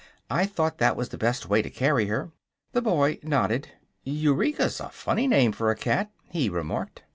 I thought that was the best way to carry her." The boy nodded. "Eureka's a funny name for a cat," he remarked.